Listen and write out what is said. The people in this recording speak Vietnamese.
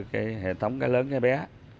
cái hệ thống cái lớn cái bé